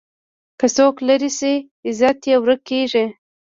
که څوک لرې شي، عزت یې ورک کېږي.